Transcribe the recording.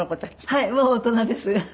はいもう大人です。